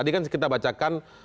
tadi kan kita bacakan